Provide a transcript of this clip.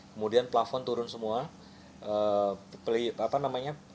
kemudian plafon turun semua